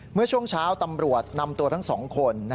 เมื่อช่วงเช้าตำรวจนำตัวทั้ง๒คน